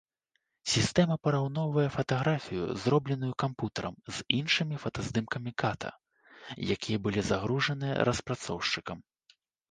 Сістэма параўноўвае фатаграфію, зробленую кампутарам, з іншымі фотаздымкамі ката, якія былі загружаныя распрацоўшчыкам.